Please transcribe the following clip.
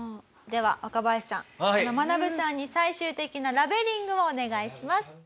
では若林さんこのマナブさんに最終的なラベリングをお願いします。